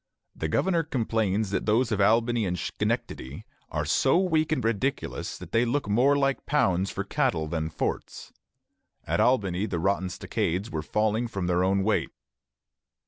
The governor complains that those of Albany and Schenectady "are so weak and ridiculous that they look more like pounds for cattle than forts." At Albany the rotten stockades were falling from their own weight.